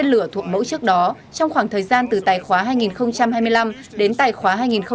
lửa thuộc mẫu trước đó trong khoảng thời gian từ tài khóa hai nghìn hai mươi năm đến tài khoá hai nghìn hai mươi ba